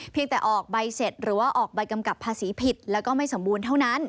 แต่ออกใบเสร็จหรือว่าออกใบกำกับภาษีผิดแล้วก็ไม่สมบูรณ์เท่านั้น